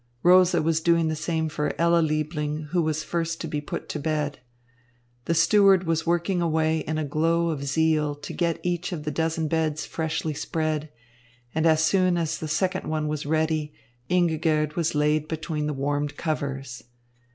Rosa was doing the same for Ella Liebling, who was the first to be put to bed. The steward was working away in a glow of zeal to get each of the dozen beds freshly spread, and as soon as the second one was ready, Ingigerd was laid between the warmed covers.